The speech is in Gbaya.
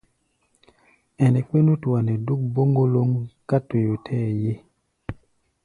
Ɛnɛ kpé nútua nɛ́ dúk bóŋkólóŋ ká toyó tɛɛ́ ye.